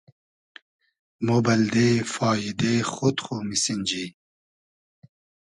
مۉ بئلدې فاییدې خۉد خو میسینجی